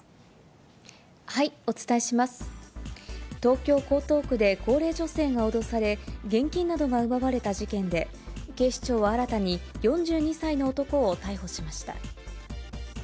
東京・江東区で高齢女性が脅され、現金などが奪われた事件で、警視庁は新たに４２歳の男を逮捕しました。